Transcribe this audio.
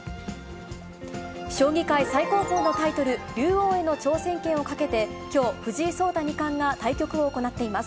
将棋界最高峰のタイトル、竜王への挑戦権をかけてきょう、藤井聡太二冠が対局を行っています。